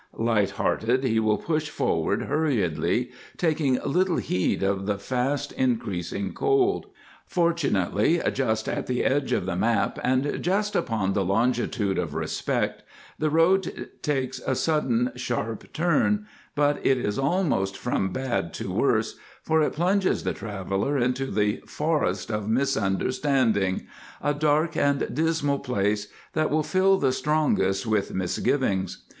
Light hearted he will push forward hurriedly, taking little heed of the fast increasing cold. Fortunately, just at the edge of the map and just upon the longitude of Respect, the road takes a sudden sharp turn, but it is almost from bad to worse, for it plunges the traveller into the Forest of Misunderstanding, a dark and dismal place that will fill the strongest with misgivings.